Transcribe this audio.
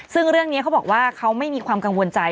ซึ่งเรื่องนี้เขาบอกว่าเขาไม่มีความกังวลใจ